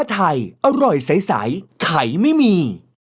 ไทยอร่อยใสไข่ไม่มี